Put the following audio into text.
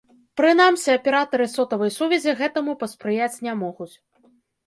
Прынамсі, аператары сотавай сувязі гэтаму паспрыяць не могуць.